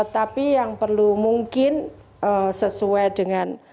tapi yang perlu mungkin sesuai dengan